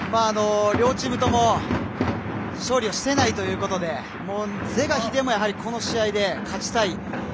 両チームとも勝利をしていないということで是が非でも、この試合で勝ちたい。